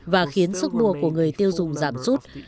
và khiến sức mua của người tiêu dùng giảm sút